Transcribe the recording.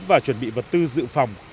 và chuẩn bị vật tư dự phòng